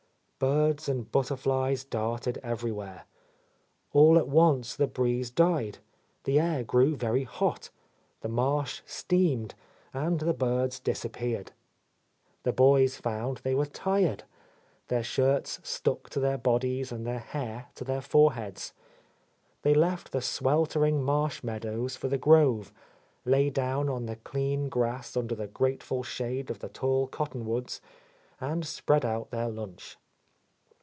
Birds and butterflies darted everywhere. All at once the breeze died, the air grew very hot, the marsh steamed, and the birds disappeared. The boys found they were tired; their shirts stuck to their bodies and their hair to their foreheads. They left the sweltering marsh meadows for the grove, lay down on the clean grass under the grateful shade of the tall cottonwoods, and spread out their lunch.